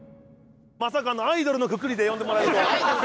まさかのアイドルのくくりで呼んでもらえるとは。